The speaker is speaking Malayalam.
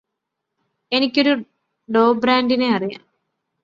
എനിക്കൊരു ഡോബ്രാൻഡിനെ അറിയാം